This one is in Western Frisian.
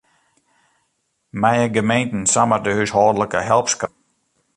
Meie gemeenten samar de húshâldlike help skrasse?